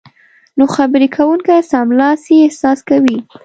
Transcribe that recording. نو خبرې کوونکی سملاسي احساس کوي